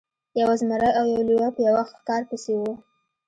یو زمری او یو لیوه په یوه ښکار پسې وو.